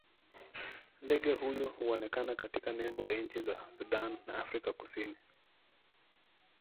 Ndege huyu huonekana katika nembo ya nchi za Sudan na Afrika Kusini.